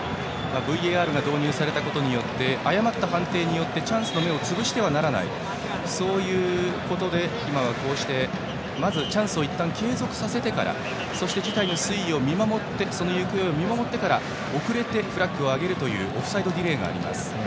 ＶＡＲが導入されたことによって誤った判定によってチャンスの芽を潰してはならないということで今はチャンスをいったん継続させてから事態の推移を見守ってその行方を見守ってから遅れてフラッグを上げるというオフサイドディレイがあります。